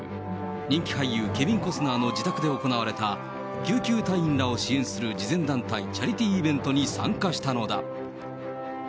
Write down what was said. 人気俳優、ケビン・コスナーの自宅で行われた、救急隊員らを支援する慈善団体チャリティーイベントに参加したのだ。